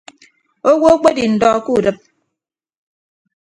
Owo akpedi ndọ kudịp.